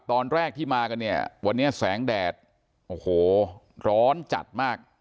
ตอนแรกที่มากันเนี่ยวันนี้แสงแดดโอ้โหร้อนจัดมาก